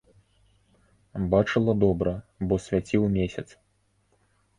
Бачыла добра, бо свяціў месяц.